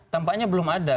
tampaknya belum ada